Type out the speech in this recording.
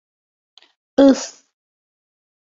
Ыҫ-ҫ-ҫ!